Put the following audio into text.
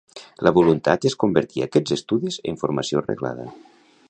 La voluntat és convertir aquests estudis en formació reglada.